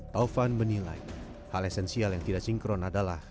taufan menilai hal esensial yang tidak sinkron adalah